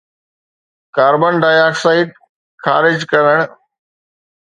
carbon dioxide خارج ڪرڻ